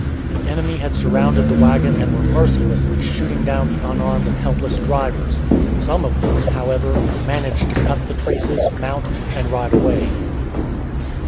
The enemy had surrounded the wagons and were mercilessly shooting down the unarmed and helpless drivers, some of whom, however, managed to cut the traces, mount, and ride away.